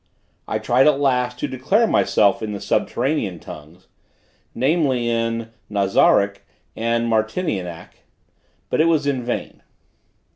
I tried at last to declare myself in the subterranean tongues, namely, in Nazaric and Martinianic; but it was in vain.